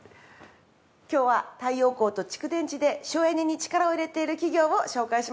今日は太陽光と蓄電池で省エネに力を入れている企業を紹介します。